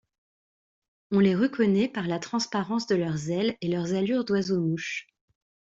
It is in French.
On les reconnait par la transparence de leurs ailes et leur allure d'oiseau-mouche.